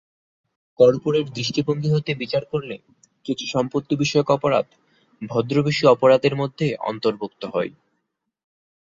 Corporate দৃষ্টিভঙ্গি হতে বিচার করলে কিছু সম্পত্তি বিষয়ক অপরাধ ভদ্রবেশী অপরাধের মধ্যে অন্তর্ভুক্ত হয়।